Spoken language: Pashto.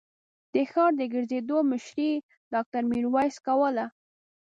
د ښار د ګرځېدو مشري ډاکټر ميرويس کوله.